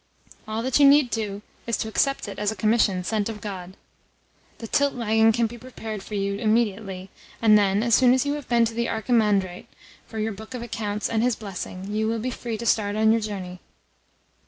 All that you need do is to accept it as a commission sent of God. The tilt waggon can be prepared for you immediately; and then, as soon as you have been to the Archimandrite for your book of accounts and his blessing, you will be free to start on your journey."